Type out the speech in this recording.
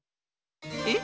えっ！